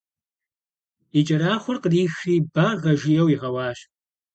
И кӏэрахъуэр кърихри «баргъэ» жиӏэу игъэуащ.